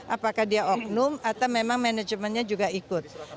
apakah dia oknum atau memang manajemennya juga ikut